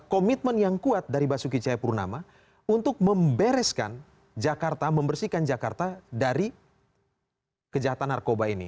komitmen yang kuat dari basuki cahayapurnama untuk membereskan jakarta membersihkan jakarta dari kejahatan narkoba ini